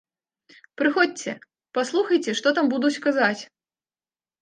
Прыходзьце, паслухайце, што там будуць казаць.